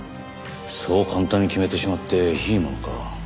そう簡単に決めてしまっていいものか。